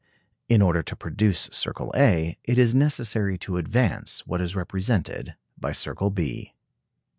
In order to produce circle A, it is necessary to advance what is represented by circle B.